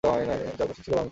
চারপাশে ছিল বাংকার।